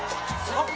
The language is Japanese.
あっ！